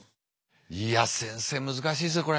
いや先生難しいですねこれ。